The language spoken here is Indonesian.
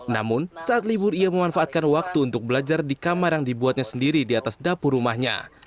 namun saat libur ia memanfaatkan waktu untuk belajar di kamar yang dibuatnya sendiri di atas dapur rumahnya